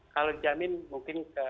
kalau dijamin mungkin terjadi letupan